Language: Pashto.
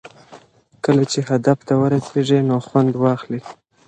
کله چې هدف ته ورسېږئ نو خوند واخلئ.